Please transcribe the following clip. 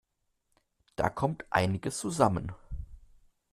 Da kommt einiges zusammen.